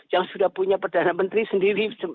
yang sudah punya perdana menteri sendiri